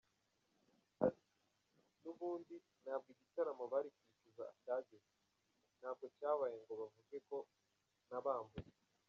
Ati “N’ubundi ntabwo igitaramo bari kwishyuza cyageze, ntabwo cyabaye ngo bavuge ko nabambuye.